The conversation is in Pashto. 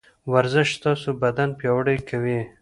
ورزش ستاسو بدن پياوړی کوي.